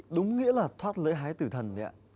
đúng nghĩa là thoát lư hái tử thần đấy ạ